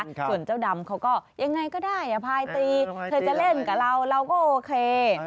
ส่วนเจ้าดำเขาก็ยังไงก็ได้อภัยตีเธอจะเล่นกับเราเราก็โอเค